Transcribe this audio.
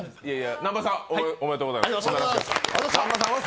南波さん、おめでとうございます。